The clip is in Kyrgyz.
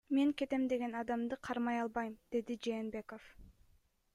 Мен кетем деген адамды кармай албайм, — деди Жээнбеков.